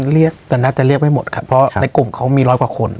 เรียกแต่น่าจะเรียกไม่หมดครับเพราะในกลุ่มเขามีร้อยกว่าคน